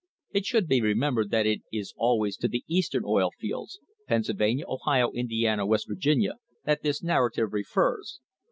* (It should be remembered that it is always to the Eastern oil fields Pennsylvania, Ohio, Indiana, West Virginia that this narrative refers.